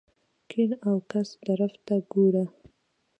ګېڼ او ګس طرف ته ګوره !